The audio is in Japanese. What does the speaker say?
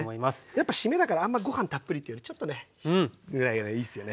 やっぱ締めだからあんまご飯たっぷりというよりちょっとねぐらいがいいっすよね。